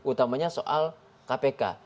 utamanya soal kpk